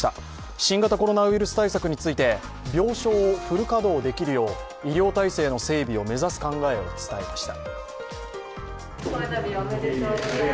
新型コロナウイルス対策について、病床をフル稼働できるよう医療体制の整備を目指す考えを伝えました。